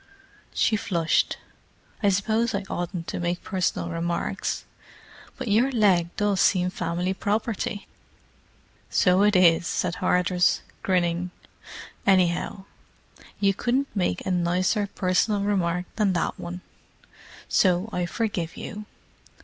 She flushed. "I suppose I oughtn't to make personal remarks, but your leg does seem family property!" "So it is," said Hardress, grinning. "Anyhow, you couldn't make a nicer personal remark than that one. So I forgive you.